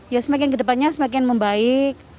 ya semakin ke depannya semakin membaik